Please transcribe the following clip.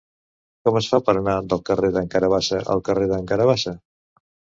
Com es fa per anar del carrer d'en Carabassa al carrer d'en Carabassa?